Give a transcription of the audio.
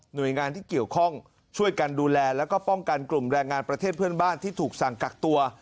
โดยงานที่เกี่ยวข้องช่วยกันดูแลแล้วก็ป้องกันกลุ่มแรงงานประเทศเพื่อนบ้านที่ถูกสั่งกักตัว